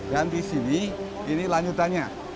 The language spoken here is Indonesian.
dan di sini ini lanjutannya